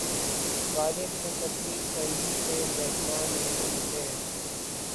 غالبؔ! کچھ اپنی سعی سے لہنا نہیں مجھے